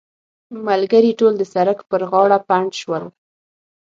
ملګري ټول د سړک پر غاړه پنډ شول.